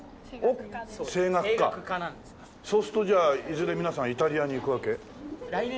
そうするとじゃあいずれ皆さんイタリアに行くわけ？